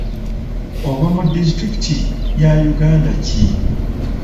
Ova mu disitulikiti ya Uganda ki?